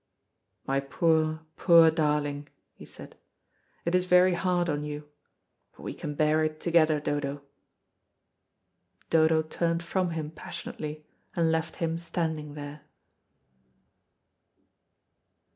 "My poor, poor darling," he said, "it is very hard on you. But we can bear it together, Dodo." Dodo turned from him passionately, and left him standing there.